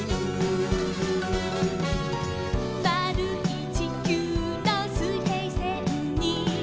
「まるいちきゅうのすいへいせんに」